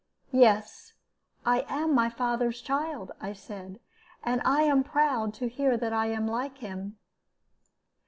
"Yes, I am my father's child," I said; "and I am proud to hear that I am like him."